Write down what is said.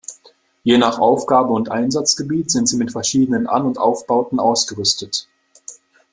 Je nach Aufgabe und Einsatzgebiet sind sie mit verschiedenen An- und Aufbauten ausgerüstet.